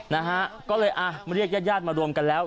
นะฮะก็เลยอ่ะมาเรียกญาติญาติมารวมกันแล้ว